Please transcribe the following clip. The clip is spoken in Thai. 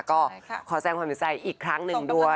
ก็ขอแสงความสนใจอีกครั้งหนึ่งด้วย